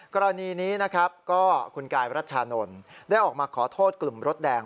กรณีนี้นะครับก็คุณกายรัชชานนท์ได้ออกมาขอโทษกลุ่มรถแดง